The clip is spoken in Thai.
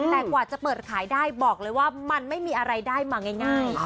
แต่กว่าจะเปิดขายได้บอกเลยว่ามันไม่มีอะไรได้มาง่าย